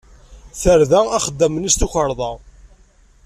Terda axeddam-nni s tukerḍa.